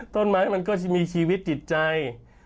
ต้นไม้มันก็จะมีชีวิตจิตใจ